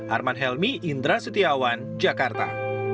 arman helmi indra setiawan jakarta